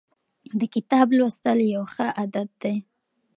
د کتاب لوستل یو ښه عادت دی.